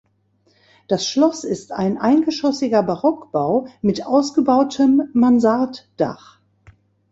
Das Schloss ist ein eingeschossiger Barockbau mit ausgebautem Mansarddach.